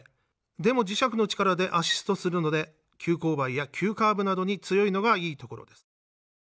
でも磁石の力でアシストするので急勾配や急カーブなどに強いのがいいところです。